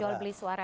jual beli suara